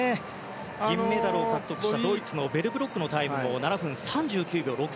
銀メダルを獲得したドイツのベルブロックのタイムも７分３９秒６３。